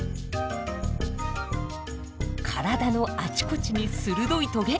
体のあちこちに鋭いトゲ。